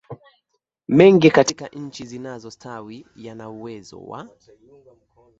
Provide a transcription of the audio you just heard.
mengi katika nchi zinazostawi yana uwezo wa